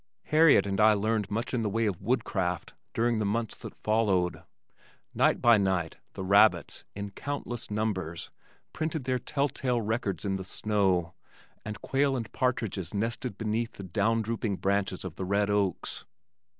Harriet and I learned much in the way of woodcraft during the months which followed. Night by night the rabbits, in countless numbers printed their tell tale records in the snow, and quail and partridges nested beneath the down drooping branches of the red oaks.